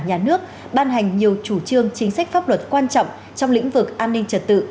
nhà nước ban hành nhiều chủ trương chính sách pháp luật quan trọng trong lĩnh vực an ninh trật tự